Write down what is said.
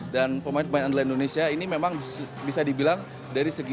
dan pemain pemain andalan indonesia ini memang bisa dibilang dari sejauh ini